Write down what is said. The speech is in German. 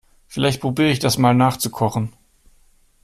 Vielleicht probiere ich das mal nachzukochen.